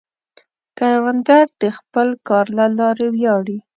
کروندګر د خپل کار له لارې ویاړي